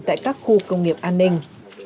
tại các khu công nghiệp an ninh